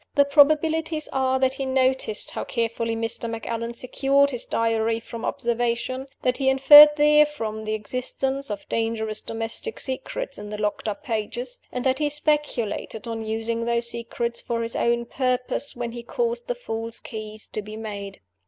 The probabilities are that he noticed how carefully Mr. Macallan secured his Diary from observation; that he inferred therefrom the existence of dangerous domestic secrets in the locked up pages; and that he speculated on using those secrets for his own purpose when he caused the false keys to be made.